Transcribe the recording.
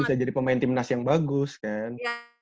bisa jadi pemain timnas yang bagus kan